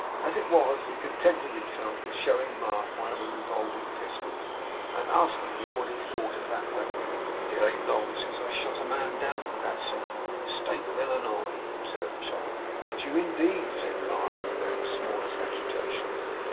As it was, he contented himself with showing Mark one of the revolving pistols, and asking him what he thought of that weapon. 'It ain't long since I shot a man down with that, sir, in the State of IllinOY,' observed Chollop. 'Did you, indeed!' said Mark, without the smallest agitation.